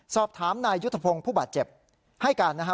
สอบถามนายยุทธพงศ์ผู้บาดเจ็บให้การนะฮะ